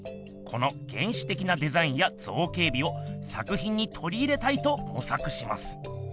この原始的なデザインや造形美を作品にとり入れたいともさくします。